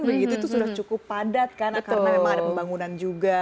begitu itu sudah cukup padat kan karena memang ada pembangunan juga